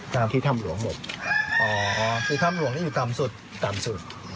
ตามที่ถ้ำหลวงหมดอ๋อคือถ้ำหลวงนี่อยู่ต่ำสุดต่ำสุด